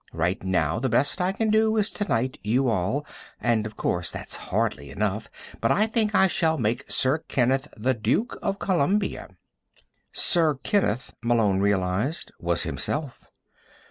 Right now, the best I can do is to knight you all, and of course that's hardly enough. But I think I shall make Sir Kenneth the Duke of Columbia." Sir Kenneth, Malone realized, was himself.